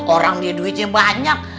orang dia duitnya banyak